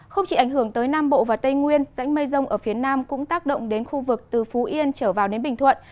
không chỉ ảnh hưởng tới nam bộ và tây nguyên dãnh mây rông ở phía nam cũng tác động đến khu vực từ phú yên trở vào đến bình thuận